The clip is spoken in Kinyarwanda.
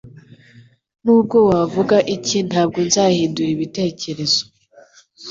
Nubwo wavuga iki ntabwo nzahindura ibitekerezo